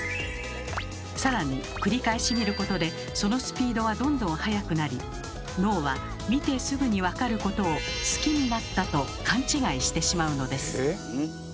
更に繰り返し見ることでそのスピードはどんどん速くなり脳は見てすぐにわかることを好きになったと勘違いしてしまうのです。